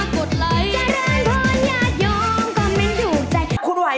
คุณไหวไหมครับ